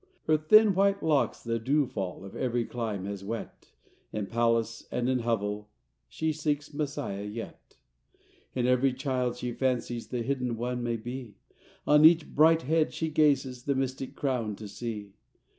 Her thin white locks the dew fall Of every clime has wet— In palace and in hovel She seeks Messiah yet! In every child she fancies The Hidden One may be, On each bright head she gazes The mystic crown to see.